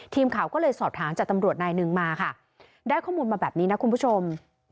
ทีมข่าวก็เลยสอบถามจากตำรวจนายหนึ่งมาค่ะได้ข้อมูลมาแบบนี้นะคุณผู้ชม